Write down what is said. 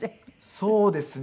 そうですね。